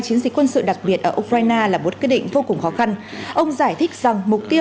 chiến dịch quân sự đặc biệt ở ukraine là một quyết định vô cùng khó khăn ông giải thích rằng mục tiêu